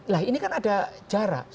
lah ini kan ada jarak